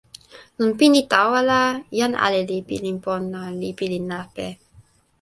lon pini tawa la, jan ale li pilin pona, li pilin lape.